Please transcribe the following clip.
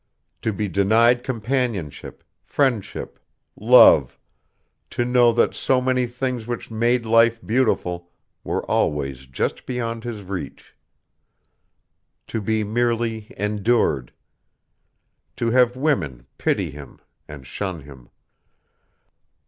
To be denied companionship, friendship, love, to know that so many things which made life beautiful were always just beyond his reach. To be merely endured. To have women pity him and shun him.